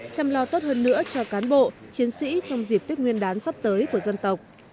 chăm lo tốt hơn nữa cho cán bộ chiến sĩ trong dịp tết nguyên đán sắp tới của dân tộc